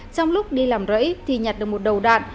trong lúc đi làm rẫy thì nhặt được một đầu đạn